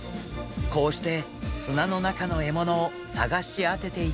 こうして砂の中の獲物を探し当てていたんです。